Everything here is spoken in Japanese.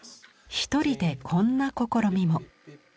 一人でこんな試みも。